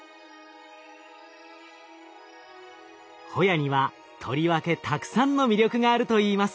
ホヤにはとりわけたくさんの魅力があるといいます。